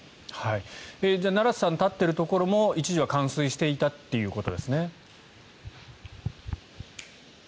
奈良瀬さんが立っているところも一時は冠水していたということですね。